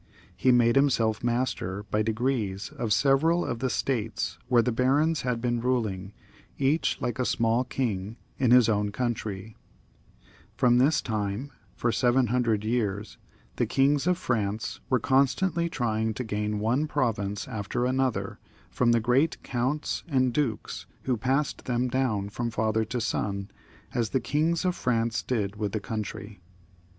He made himself master, by degrees, of several of the states where the barons had been ruling, each like a smaU king in his own country: From this time, for seven himdred years, the kings of France were constantly trying to gain one province after 66 HUGH CAPET. [CH. another from the great counts and dukes, who passed them down from father to son, as the kings of France did with the country.